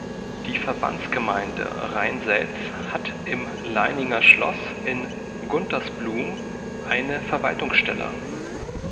Die Verbandsgemeinde Rhein-Selz hat im Leininger Schloss in Guntersblum eine Verwaltungsstelle.